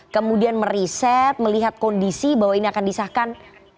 kemudian meriset melihat kondisi bahwa ini akan disahkan